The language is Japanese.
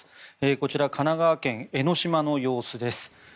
こちら神奈川県・江の島の様子です。